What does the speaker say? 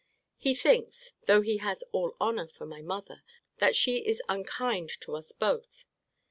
He thinks, though he has all honour for my mother, that she is unkind to us both.